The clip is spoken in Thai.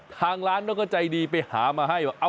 ทางร้านก็ใจดีไปหามาให้